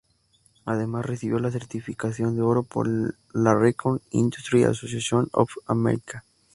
Además recibió la certificación de oro por la Recording Industry Association of America.